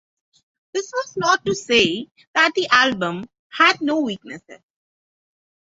This was not to say that the album had no weaknesses.